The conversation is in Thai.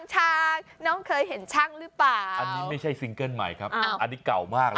ช้างน้องเคยเห็นช่างหรือเปล่าอันนี้ไม่ใช่ซิงเกิ้ลใหม่ครับอันนี้เก่ามากนะ